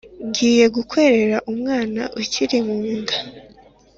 ngiye gukwerera umwana ukiri mu nda